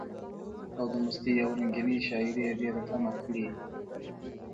او د مستۍ او رنګينۍ شاعري ئې ډېره کمه کړي ده،